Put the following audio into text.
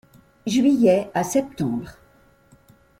Juillet à septembre.